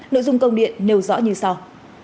nội dung công điện nêu rõ như sau